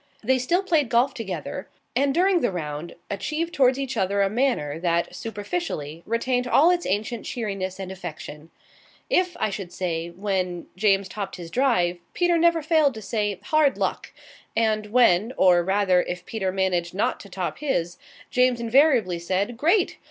They still played golf together, and during the round achieved towards each other a manner that, superficially, retained all its ancient cheeriness and affection. If I should say when, James topped his drive, Peter never failed to say "Hard luck!" And when or, rather, if Peter managed not to top his, James invariably said "Great!"